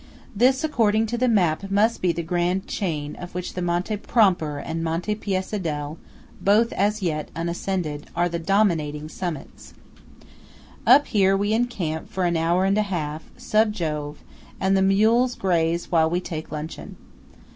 This, according to the map, must be the grand chain of which Monte Pramper and Monte Piacedel (both as yet unascended) are the dominating summits. Up here we encamp for an hour and a half, Sub Jove; and the mules graze while we take luncheon.